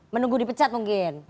menunggu dipecat mungkin